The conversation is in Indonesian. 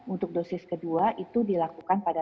untuk dosis kedua itu dilakukan pada